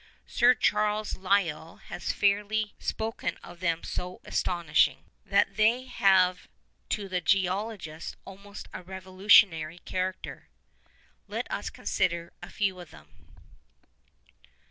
Sir Charles Lyell has fairly spoken of them as so astonishing 'that they have to the geologist almost a revolutionary character.' Let us consider a few of them.